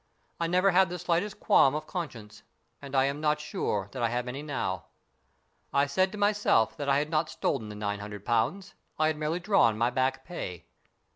I never had the slightest qualm of conscience, and I am not sure that I have any now. I said to myself that I had not stolen the nine hundred pounds, I had merely drawn my back pay.